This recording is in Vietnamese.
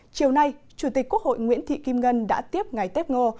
chiều nay chủ tịch quốc hội nguyễn thị kim ngân đã tiếp ngài tếp ngô